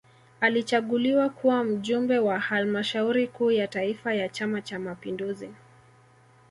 Alichaguliwa kuwa Mjumbe wa Halmashauri Kuu ya Taifa ya Chama cha Mapinduzi